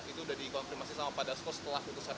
itu udah dikonfirmasi sama pak dasko setelah keputusan mk